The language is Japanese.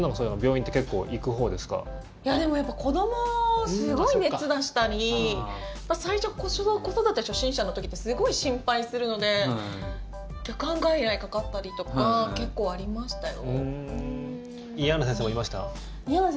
子ども、すごい熱出したり最初、子育て初心者の時ってすごい心配するので夜間外来かかったりとか結構ありましたよ。